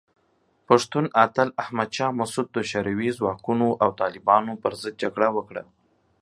پښتون اتل احمد شاه مسعود د شوروي ځواکونو او طالبانو پر ضد جګړه وکړه.